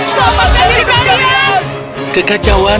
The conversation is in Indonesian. selamatkan diri kalian